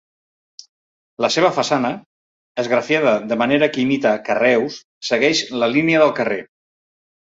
La seva façana -esgrafiada de manera que imita carreus- segueix la línia del carrer.